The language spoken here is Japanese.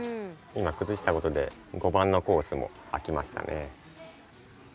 今くずしたことで５番のコースもあきましたね。